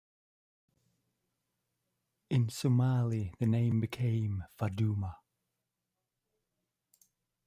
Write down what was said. In Somali the name became "Faduma".